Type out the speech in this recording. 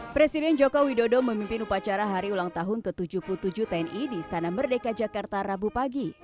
presiden jokowi dodo memimpin upacara hari ulang tahun ke tujuh puluh tujuh tni di istana merdeka jakarta rabu pagi